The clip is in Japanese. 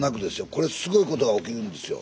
これすごいことが起きるんですよ。